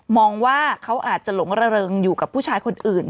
มองว่าเขาอาจจะหลงระเริงอยู่กับผู้ชายคนอื่น